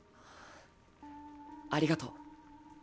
ありがとう。